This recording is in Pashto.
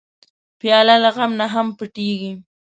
پیاله له غم نه هم پټېږي.